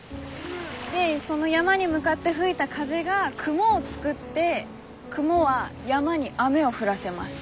でその山に向かって吹いた風が雲を作って雲は山に雨を降らせます。